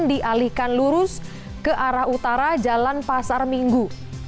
dialihkan lurus ke arah utara jalan pasar minggu